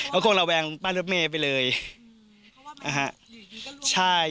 เขาก็คงระแวงปำเริบเม้ไปเลยอ่าฮะใช่